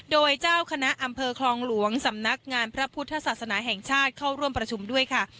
โดยเจ้าคณะอำเภอคลองหลวงสำนักงานพระพุทธศาสนาแห่งชาติเข้าร่วมประชุมด้วยค่ะ